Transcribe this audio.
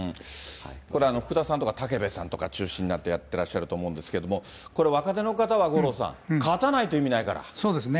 これ、福田さんとかたけべさんとかが中心になってやってらっしゃると思うんですけども、これ、若手の方は、五郎さん、勝たないと意味なそうですね。